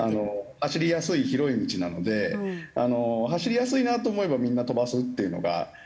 走りやすい広い道なので走りやすいなと思えばみんな飛ばすっていうのが。